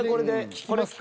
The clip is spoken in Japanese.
聞きますか？